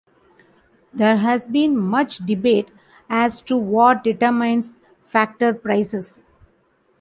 There has been much debate as to what determines factor prices.